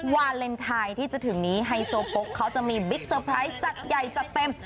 วาเลนไทยที่จะถึงนี้ไฮโซโป๊กเขาจะมีบิ๊กเซอร์ไพรส์จัดใหญ่จัดเต็ม